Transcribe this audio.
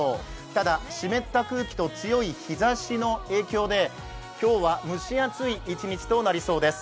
ただ湿った空気と強い日ざしの影響で今日は蒸し暑い一日となりそうです。